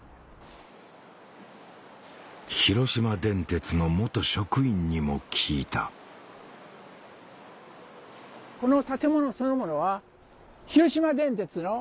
広島電鉄の職員にも聞いたこの建物そのものは。